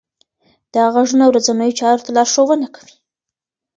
دغه غږونه ورځنیو چارو ته لارښوونه کوي.